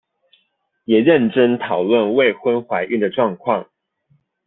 也認真討論未婚懷孕的狀況